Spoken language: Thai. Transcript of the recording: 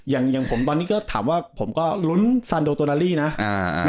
อย่างอย่างผมตอนนี้ก็ถามว่าผมก็ลุ้นซานโดโตนาลี่นะ